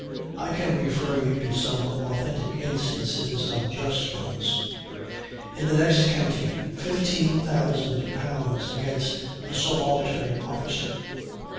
I can refer you to some authentic instances of just ones. In the next county, £15,000 against a subaltern officer.